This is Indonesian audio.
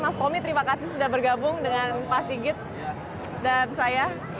mas tommy terima kasih sudah bergabung dengan pak sigit dan saya